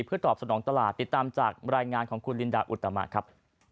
เพื่อตอบสนองตลาดติดตามจากรายงานของคุณลินดาอุตมะครับ